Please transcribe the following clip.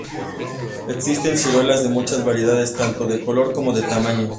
Existen ciruelas de muchas variedades, tanto de color como de tamaños.